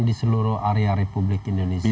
di seluruh area republik indonesia